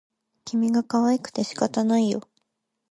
君がかわいくて仕方がないよ